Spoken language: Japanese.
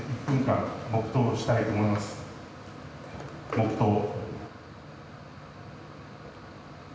黙とう。